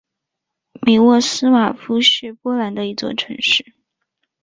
米沃斯瓦夫是波兰的一座城市。